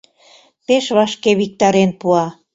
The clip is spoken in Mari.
Пеш вашке виктарен пуа.